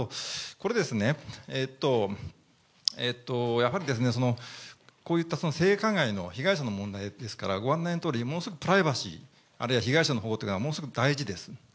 これですね、やはり、こういった性加害の被害者の問題ですから、ご案内のとおり、ものすごくプライバシー、あるいは被害者を守るということは大事です。